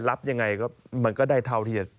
รับยังไงก็มันก็ได้เท่าที่จะ